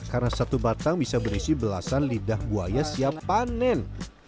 karena satu batang bisa berisi belasan lidah buaya siap panen